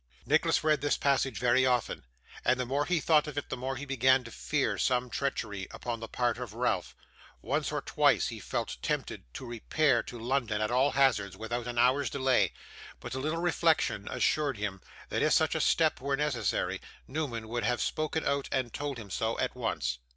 Nicholas read this passage very often, and the more he thought of it the more he began to fear some treachery upon the part of Ralph. Once or twice he felt tempted to repair to London at all hazards without an hour's delay, but a little reflection assured him that if such a step were necessary, Newman would have spoken out and told him so at once.